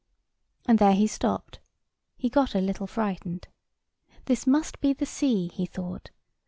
And there he stopped. He got a little frightened. "This must be the sea," he thought.